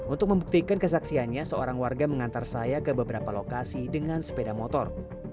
untuk membuktikan kesaksiannya seorang warga mengantar saya ke beberapa lokasi dengan sepeda motor